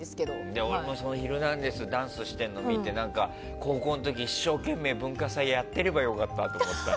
でも俺も「ヒルナンデス！」でダンスしてるの見て高校の時、一生懸命、文化祭をやってればよかったと思った。